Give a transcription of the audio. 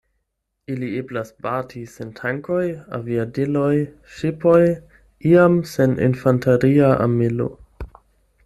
Ili eblas bati sen tankoj, aviadiloj, ŝipoj, iam sen infanteria armilo.